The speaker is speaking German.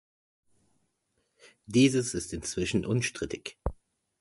Dieses ist inzwischen unstrittig.